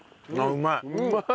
うまい！